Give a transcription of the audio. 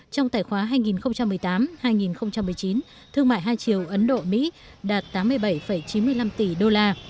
trong tài khoá hai nghìn một mươi tám hai nghìn một mươi chín thương mại hai chiều ấn độ mỹ đạt tám mươi bảy chín mươi năm tỷ đô la